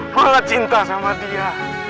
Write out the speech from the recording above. gua ga cinta sama dia